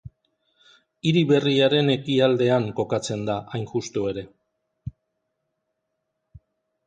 Hiri Berriaren ekialdean kokatzen da hain justu ere.